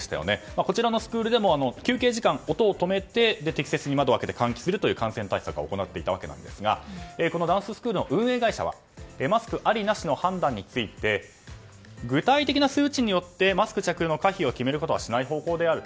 こちらのスクールでも休憩時間、音を止めて適切に窓を開けて換気するという感染対策は行っていたわけですがダンススクールの運営会社はマスク有り無しの判断について具体的な数値によってマスク着用の可否を決めることはしない方向である。